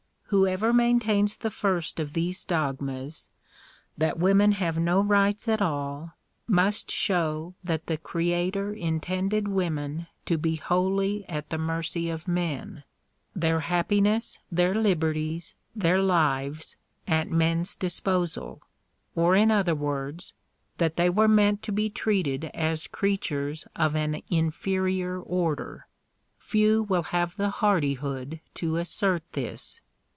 Whoever maintains the first of these dogmas, that women have no rights at all, must show that the Creator intended women to be wholly at the mercy of men — their happiness, their liberties, their lives, at men s disposal ; or, in other words, that they were meant to be treated as creatures of an inferior order. Few will have the hardihood to assert this.